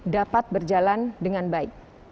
dapat berjalan dengan baik